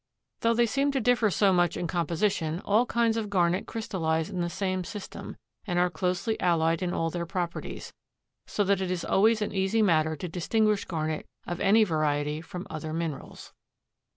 Though they seem to differ so much in composition, all kinds of garnet crystallize in the same system and are closely allied in all their properties, so that it is always an easy matter to distinguish garnet of any variety from other minerals.